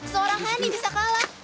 seorang hani bisa kalah